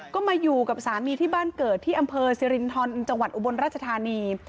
ก็มาอยู่กับสามีที่บ้านเกิดที่อำเภอสิรินทรจังหวัดอุบลราชธานี